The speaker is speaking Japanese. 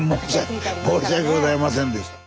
申し訳ございませんでした。